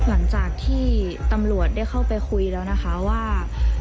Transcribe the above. หลังจากที่ตำรวจได้เข้าไปคุยแล้วนะคะว่า